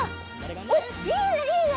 おっいいねいいね！